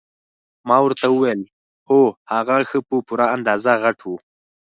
ما ورته وویل هو هغه ښه په پوره اندازه غټ وو.